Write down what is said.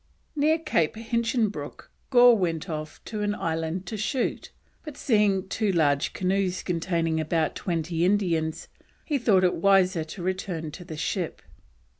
Near Cape Hinchinbroke Gore went off to an island to shoot, but seeing two large canoes containing about twenty Indians, he thought it wiser to return to the ship.